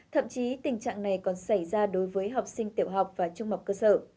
thậm chí tình trạng này còn xảy ra đối với học sinh tiểu học và trung học cơ sở